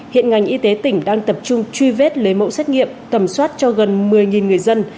hiện ngành y tế tỉnh đang tập trung truy vết lấy mẫu xét nghiệm tầm soát cho gần một mươi người dân